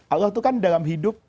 allah itu kan dalam hidup